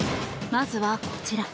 まずはこちら。